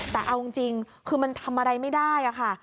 แต่เอาจริงคือมันทำอะไรไม่ได้ค่ะ